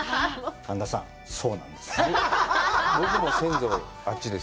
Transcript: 神田さん、そうなんです。